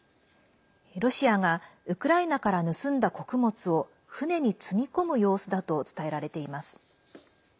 ロシアがウクライナから盗んだ穀物を船に積み込む様子だと伝えられています。